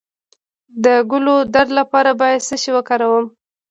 د ګلو درد لپاره باید څه شی وکاروم؟